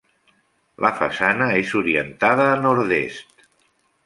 La façana és orientada a nord-est.